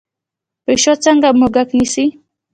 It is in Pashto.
پیشو څنګه موږک نیسي؟